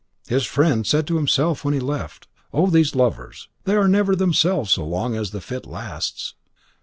His friend said to himself when he left: "Oh, these lovers! They are never themselves so long as the fit lasts."